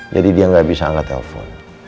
jadi dia gak bisa angkat telepon